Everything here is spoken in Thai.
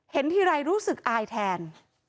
เห็นทีไรรู้สึกอายแทน